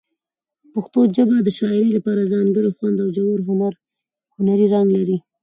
پښتو ژبه د شاعرۍ لپاره ځانګړی خوند او ژور هنري رنګ لري.